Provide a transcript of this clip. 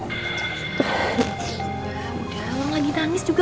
udah orang lagi nangis juga